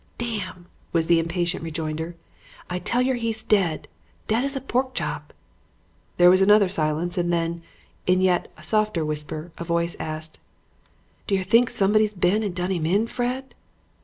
"'Dam!' was the impatient rejoinder. 'I tell yer he's dead dead as a pork chop.' "There was another silence and then, in a yet softer whisper, a voice asked: "'D'yer think somebody's been and done 'im in, Fred?'